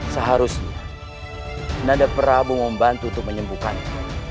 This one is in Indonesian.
seharusnya nada prabu membantu untuk menyembuhkannya